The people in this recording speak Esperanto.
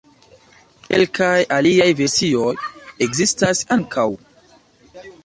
Kelkaj aliaj versioj ekzistas ankaŭ.